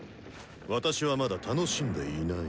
私はまだ楽しんでいない。